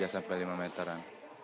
tiga sampai lima meteran